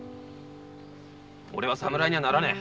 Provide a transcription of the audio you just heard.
オレは侍にはならねえ。